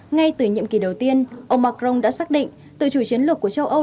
ngay từ nhiệm kỳ đầu tiên ông macron đã xác định tự chủ chiến lược của châu âu